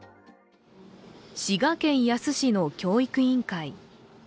滋賀県野洲市の教育委員会。